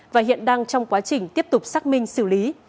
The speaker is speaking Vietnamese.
và hiện đang trong quá trình tiếp tục xác minh xử lý